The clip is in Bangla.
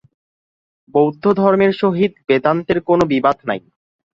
বৌদ্ধধর্মের সহিত বেদান্তের কোন বিবাদ নাই।